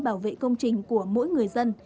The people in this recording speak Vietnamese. bảo vệ công trình của mỗi người dân